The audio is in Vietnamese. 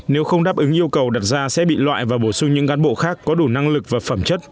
nếu không đáp ứng yêu cầu đặt ra sẽ bị loại và bổ sung những cán bộ khác có đủ năng lực và phẩm chất